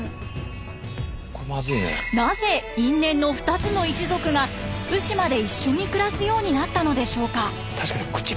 なぜ因縁の２つの一族が鵜島で一緒に暮らすようになったのでしょうか。